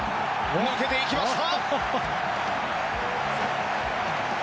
抜けていきました！